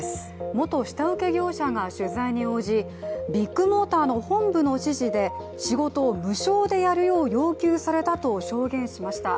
元下請け業者が取材に応じビッグモーターの本部の指示で仕事を無償でやるよう要求されたと証言しました。